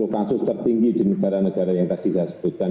sepuluh kasus tertinggi di negara negara yang tadi saya sebutkan